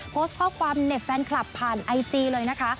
โพสต์ข้อความเหน็บแฟนคลับผ่านไอจีเลยนะคะ